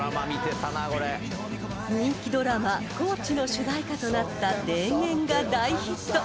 ［人気ドラマ『コーチ』の主題歌となった『田園』が大ヒット］